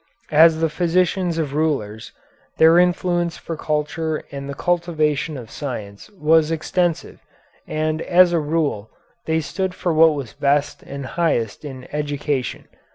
As the physicians of rulers, their influence for culture and the cultivation of science was extensive, and as a rule they stood for what was best and highest in education.